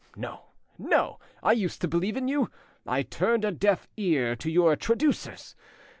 No, no! I used to believe in you; I turned, a deaf ear to your traducers.